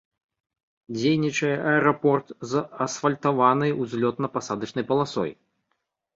Дзейнічае аэрапорт з асфальтаванай узлётна-пасадачнай паласой.